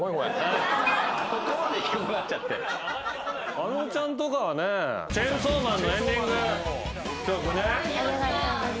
あのちゃんとかはね『チェンソーマン』のエンディング曲ね。